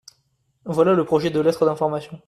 Voilà le projet de lettre d’information.